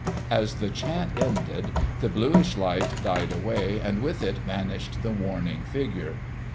As the chant ended, the bluish light died away and with it vanished the warning figure.